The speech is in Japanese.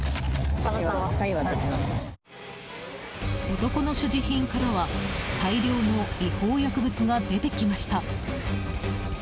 男の所持品からは大量の違法薬物が出てきました。